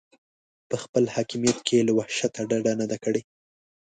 په خپل حاکمیت کې یې له وحشته ډډه نه ده کړې.